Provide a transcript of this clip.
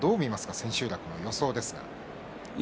千秋楽の予想ですが。